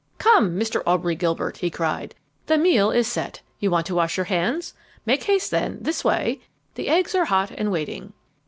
"Come, Mr. Aubrey Gilbert!" he cried. "The meal is set. You want to wash your hands? Make haste then, this way: the eggs are hot and waiting."